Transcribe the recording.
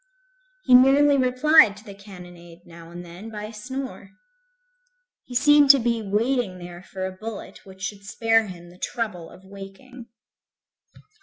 He merely replied to the cannonade, now and then, by a snore. He seemed to be waiting there for a bullet which should spare him the trouble of waking.